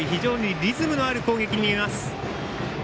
リズムのある攻撃に見えます。